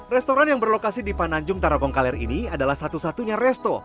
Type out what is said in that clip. restoran yang berlokasi di pananjung tarogong kaler ini adalah satu satunya resto